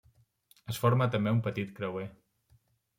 Es forma també un petit creuer.